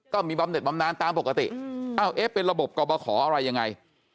บำเน็ตบำนานตามปกติเอ้าเอ๊ะเป็นระบบกรบขออะไรยังไง